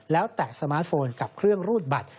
แล้วแตะสมาร์ทโฟนกับเครื่องรูดบัตร